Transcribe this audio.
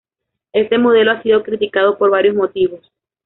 Este modelo ha sido criticado por varios motivos.